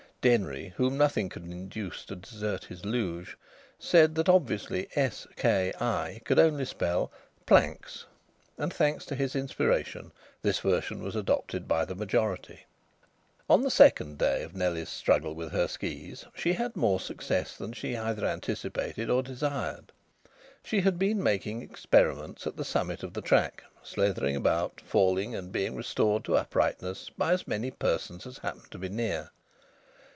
Denry, whom nothing could induce to desert his luge, said that obviously "s k i" could only spell "planks." And thanks to his inspiration this version was adopted by the majority. On the second day of Nellie's struggle with her skis she had more success than she either anticipated or desired. She had been making experiments at the summit of the track, slithering about, falling, and being restored to uprightness by as many persons as happened to be near.